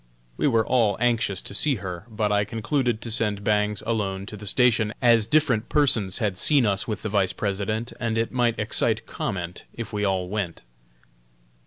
We were all anxious to see her, but I concluded to send Bangs alone to the station, as different persons had seen us with the Vice President, and it might excite comment if we all went.